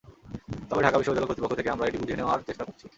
তবে ঢাকা বিশ্ববিদ্যালয় কর্তৃপক্ষ থেকে আমরা এটি বুঝে নেওয়ার চেষ্টা করছি।